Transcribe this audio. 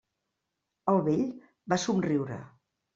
El vell va somriure.